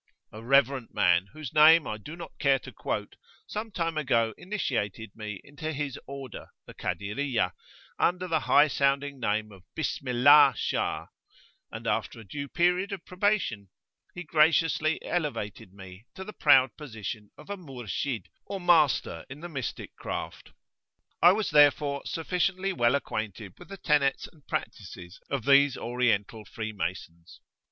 [FN#22] A reverend man, whose name I do not care to quote, some time ago initiated me into his order, the Kadiriyah, under the high sounding name of Bismillah Shah:[FN#23] and, after a due period of probation, he graciously elevated me to the proud position of a Murshid,[FN#24] or Master in the mystic craft. I was therefore sufficiently well acquainted with the tenets and practices of these Oriental Freemasons.